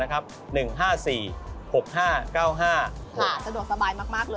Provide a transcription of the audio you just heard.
สะดวกสบายมากเลย